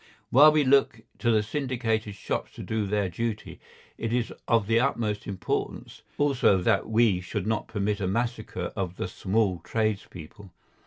While we look to the syndicated shops to do their duty, it is of the utmost importance also that we should not permit a massacre of the small tradespeople.